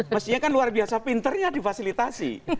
mestinya kan luar biasa pinternya difasilitasi